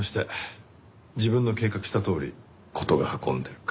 自分の計画したとおり事が運んでいるか。